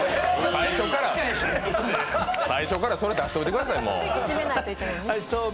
最初からそれ出しといてください、もう。